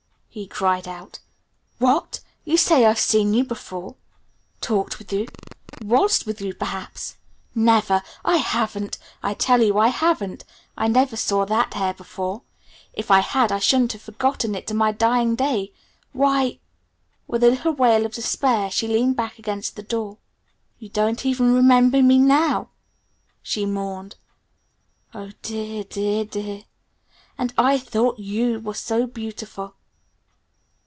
he cried out. "What? You say I've seen you before? Talked with you? Waltzed with you, perhaps? Never! I haven't! I tell you I haven't! I never saw that hair before! If I had, I shouldn't have forgotten it to my dying day. Why " With a little wail of despair she leaned back against the door. "You don't even remember me now?" she mourned. "Oh dear, dear, dear! And I thought you were so beautiful!"